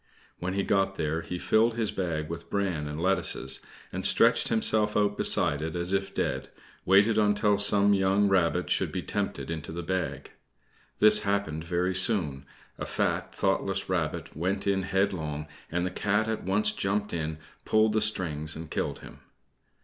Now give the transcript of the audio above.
When he got there he filled his bag with bran and lettuces, and stretching himself out beside it as if dead, waited until some young rabbit should be tempted into the bag. This happened very soon. A fat, thoughtless rabbit went in headlong, and the Cat at once jumped up, pulled the strings and killed him.